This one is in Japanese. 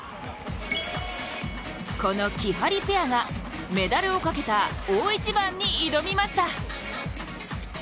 このきはりペアがメダルをかけた大一番に挑みました。